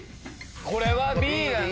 これはＢだね。